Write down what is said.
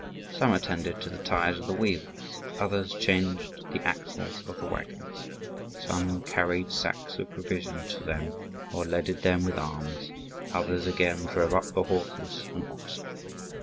Some attended to the tyres of the wheels, others changed the axles of the waggons; some carried sacks of provisions to them or leaded them with arms; others again drove up the horses and oxen.